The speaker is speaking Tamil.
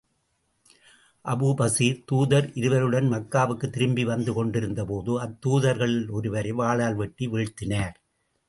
அபூ பஸீர் தூதர் இருவருடன் மக்காவுக்குத் திரும்பி வந்து கொண்டிருந்த போது, அத்தூதர்களில் ஒருவரை வாளால் வெட்டி வீழ்த்தினார்.